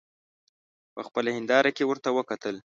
په خپله هینداره کې ورته وکتل.